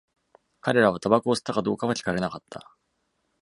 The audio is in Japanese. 彼らはタバコを吸ったかどうかは聞かれなかった。